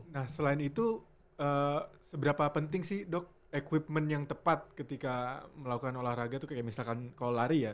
nah selain itu seberapa penting sih dok equipment yang tepat ketika melakukan olahraga itu kayak misalkan kalau lari ya